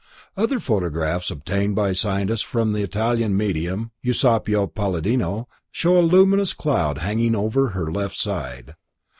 Other photographs obtained by scientists from the Italian medium Eusapio Palladino show a luminous cloud over hanging her left side.